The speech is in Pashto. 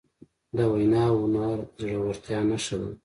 د وینا هنر د زړهورتیا نښه ده.